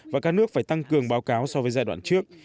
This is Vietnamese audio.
và các nước phải tăng cường báo cáo so với giai đoạn trước